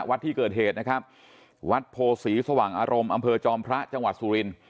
วัดที่เกิดเหตุนะครับวัดโพศีสว่างอารมณ์อำเภอจอมพระจังหวัดสุรินท